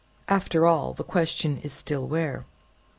After all, the question is still where?"